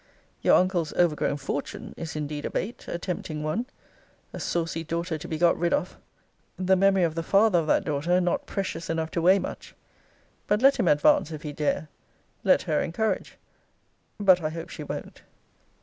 Your uncle's overgrown fortune is indeed a bait; a tempting one. A saucy daughter to be got rid of! The memory of the father of that daughter not precious enough to weigh much! But let him advance if he dare let her encourage but I hope she won't.